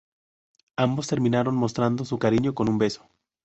Ambos terminan mostrando su cariño con un beso.